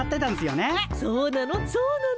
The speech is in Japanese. そうなの？